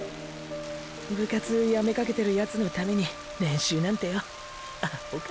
部活やめかけてるヤツのために練習なんてよアホか。